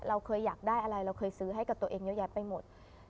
เราเคยอยากได้อะไรเราเคยซื้อให้กับตัวเองเยอะแยะไปหมด